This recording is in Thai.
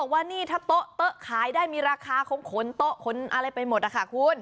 ว่านี่ถ้าโต๊ะขายได้มีราคาคงขนโต๊ะขนอะไรไปหมดนะคะคุณ